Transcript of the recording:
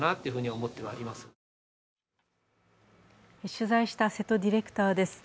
取材した瀬戸ディレクターです。